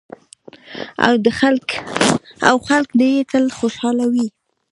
او خلک دې یې تل خوشحاله وي.